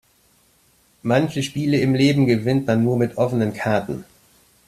Manche Spiele im Leben gewinnt man nur mit offenen Karten.